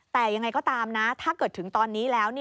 แต่ยังไงก็ตามนะถ้าเกิดถึงตอนนี้แล้ว